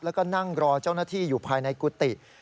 แล้วก็นั่งรอเจ้าหน้าที่อยู่ภายในกุฏิ